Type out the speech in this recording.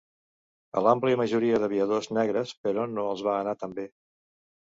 A l'àmplia majoria d'aviadors negres, però, no els va anar tan bé.